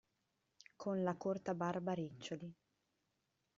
Con la corta barba a riccioli.